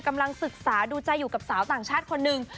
กำลังศึกษาดูใจอยู่กับสาวต่างชาติคนหนึ่ง